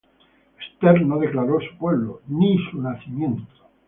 Esther no declaró su pueblo ni su nacimiento;